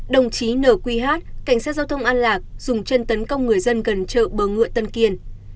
đồng chí nqh cảnh sát giao thông an lạc dùng chân tấn công người dân gần chợ bờ ngựa tân kiên